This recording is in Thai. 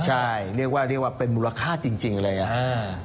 ใช่เรียกว่าเรียกว่าเป็นมูลค่าจริงเลยอ่ะ